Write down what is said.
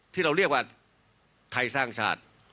ที่เราเรียกว่าไทยสร้างชาติ